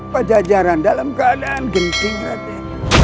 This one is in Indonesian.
pajajaran dalam keadaan genting hati